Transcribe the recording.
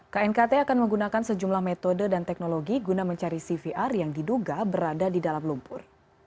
knkt akan menggunakan sejumlah metode dan teknologi guna mencari cvr yang diduga berada di dalam lumpur